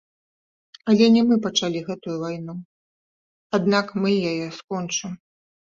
Але не мы пачалі гэтую вайну, аднак мы яе скончым.